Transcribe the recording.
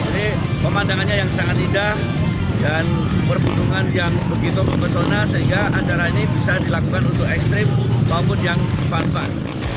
jadi pemandangannya yang sangat indah dan berbunungan yang begitu membesona sehingga antara ini bisa dilakukan untuk ekstrim maupun yang fun fun